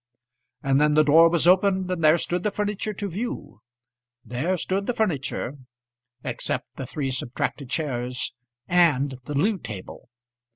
And then the door was opened and there stood the furniture to view. There stood the furniture, except the three subtracted chairs, and the loo table.